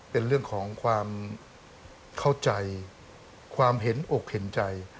เป็นเรื่องของความเข้าใจความเห็นอกเห็นใจ